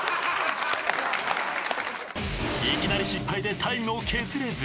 ［いきなり失敗でタイムを削れず］